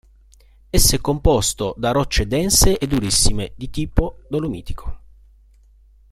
Esso è composto da rocce dense e durissime di tipo dolomitico.